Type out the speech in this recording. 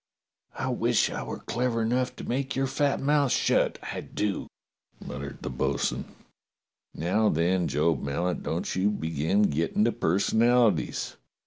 "I wish I were clever enough to make your fat mouth shut, I do," muttered the bo'sun. "Now, then, Job Mallet, don't you begin getting to personalities.